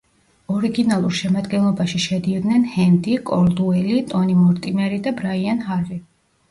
ორიგინალურ შემადგენლობაში შედიოდნენ ჰენდი, კოლდუელი, ტონი მორტიმერი და ბრაიან ჰარვი.